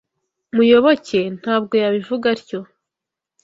Muyoboke ntabwo yabivuga atyo.